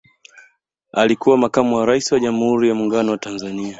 alikuwa makamu wa raisi wa jamhuri ya muungano wa tanzania